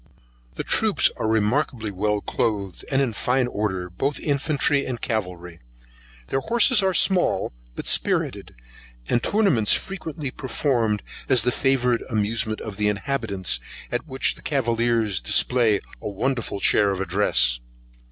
The troops are remarkably well cloathed, and in fine order, both infantry and cavalry; the horses are small, but spirited, and tournaments frequently performed as the favourite amusement of the inhabitants, at which the cavaliers display a wonderful share of address.